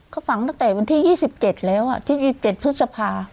เขาฝังตั้งแต่วันที่ยี่สิบเจ็ดแล้วอ่ะที่ยี่สิบเจ็ดพฤษภา